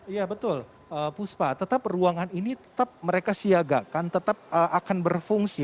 iya betul puspa tetap ruangan ini tetap mereka siagakan tetap akan berfungsi